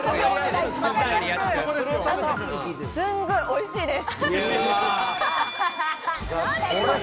すごい、おいしいです。